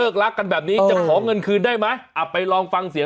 ขอเงินคืนได้ไหมไปลองฟังเสียง